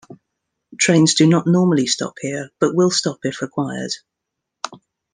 Trains do not normally stop here, but will stop if required.